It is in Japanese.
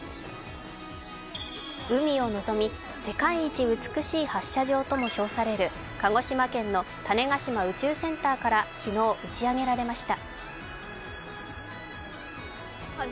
海を臨み、世界一美しい発射場とも称される鹿児島県の種子島宇宙センターから昨日、打ち上げられました。